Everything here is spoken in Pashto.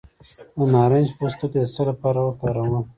د نارنج پوستکی د څه لپاره وکاروم؟